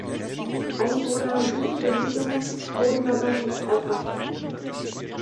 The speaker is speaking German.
Einwohner jüdischer Siedlungen wurden dabei nicht erfasst.